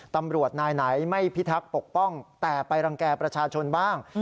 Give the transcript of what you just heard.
ตำรวจนายไหนไม่พิทักษ์ปกป้องแต่ไปรังแก่ประชาชนบ้าง